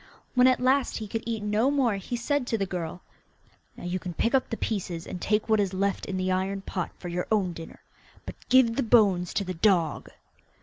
When at last he could eat no more he said to the girl, 'Now you can pick up the pieces, and take what is left in the iron pot for your own dinner, but give the bones to the dog.